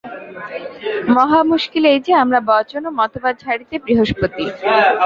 মহা মুশকিল এই যে, আমরা বচন ও মতবাদ ঝাড়িতে বৃহস্পতি।